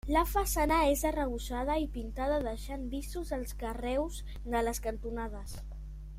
La façana és arrebossada i pintada deixant vistos els carreus de les cantonades.